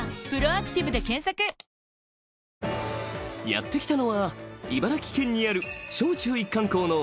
［やって来たのは茨城県にある小中一貫校の］